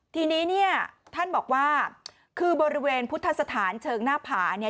ทีนี้เนี่ยท่านบอกว่าคือบริเวณพุทธสถานเชิงหน้าผาเนี่ย